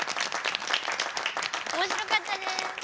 おもしろかったです。